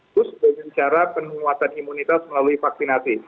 terus dengan cara penguatan imunitas melalui vaksinasi